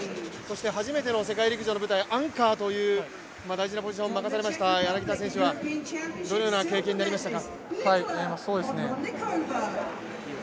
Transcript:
初めての世界陸上の舞台、アンカーという大事なポジションを任されました柳田選手はどのような経験になりましたか。